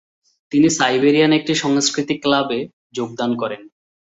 তিনি সাইবেরিয়ান একটি সংস্কৃতি ক্লাব এ যোগদান করেন।